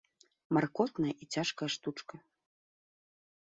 Маркотная і цяжкая штучка.